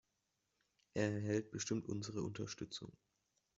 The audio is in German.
Er erhält bestimmt unsere Unterstützung.